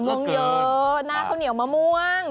ม่วงเยอะหน้าข้าวเหนียวมะม่วง